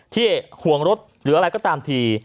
ห่วงรถหรืออะไรก็ตามที